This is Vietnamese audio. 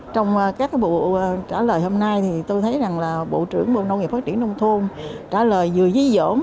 trong các bộ trả lời hôm nay thì tôi thấy rằng là bộ trưởng bộ nông nghiệp phát triển đông thôn trả lời dưới dưới giỡn